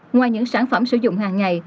ngoài những sản phẩm sử dụng hàng ngày